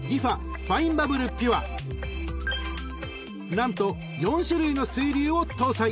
［何と４種類の水流を搭載］